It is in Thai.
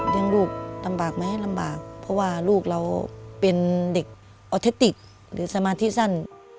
ลูกลำบากไหมลำบากเพราะว่าลูกเราเป็นเด็กออทิติกหรือสมาธิสั้น